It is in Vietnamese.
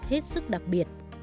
hết sức đặc biệt